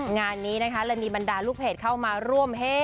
งานนี้นะคะเลยมีบรรดาลูกเพจเข้ามาร่วมเฮ่